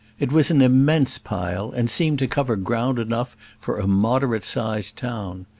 It was an immense pile, and seemed to cover ground enough for a moderate sized town.